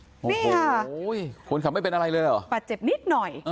โอ้โหคนขับไม่เป็นอะไรเลยเหรอบาดเจ็บนิดหน่อย